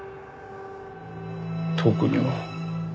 特には。